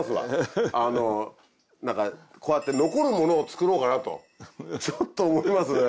こうやって残るものを作ろうかなとちょっと思いますね。